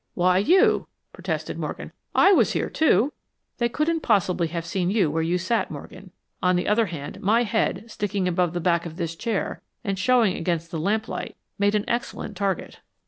"Why you?" protested Morgan. "I was here, too." "They couldn't possibly have seen you where you sat, Morgan. On the other hand, my head, sticking above the back of this chair, and showing against the lamp light, made an excellent target."